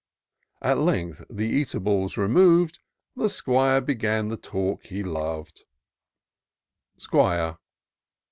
At length, the eatables remov'd. The 'Squire began the talk he lov'd. 'Squire.